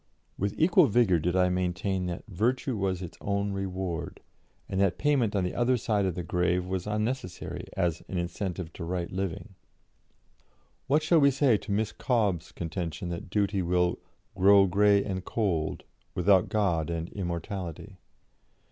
'" With equal vigour did I maintain that "virtue was its own reward," and that payment on the other side of the grave was unnecessary as an incentive to right living. "What shall we say to Miss Cobbe's contention that duty will 'grow grey and cold' without God and immortality?